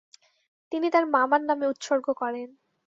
তিনি তার মামার নামে উৎসর্গ করেন।